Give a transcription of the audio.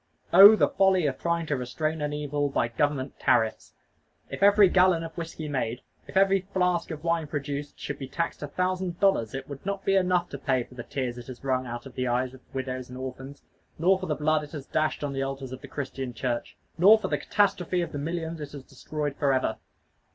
Oh, the folly of trying to restrain an evil by government tariffs! If every gallon of whiskey made, if every flask of wine produced, should be taxed a thousand dollars, it would not be enough to pay for the tears it has wrung out of the eyes of widows and orphans, nor for the blood it has dashed on the altars of the Christian Church, nor for the catastrophe of the millions it has destroyed forever.